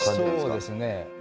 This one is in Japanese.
そうですね。